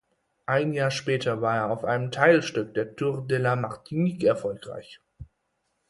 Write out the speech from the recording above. Ein Jahr später war er auf einem Teilstück der Tour de la Martinique erfolgreich.